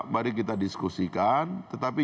mari kita diskusikan tetapi